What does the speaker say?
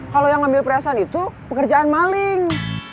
kalau yang ngambil perhiasan itu pekerjaan maling